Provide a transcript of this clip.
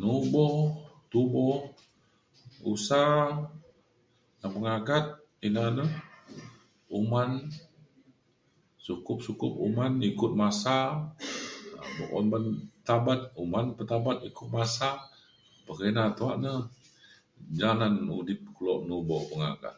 nubo tubo usa ngan pengagat ina na uman sukup sukup uman ikut masa buk un ban tabat uman pa tabat ikut masa pekina tuak na ja nan udip kelo nubo pengagat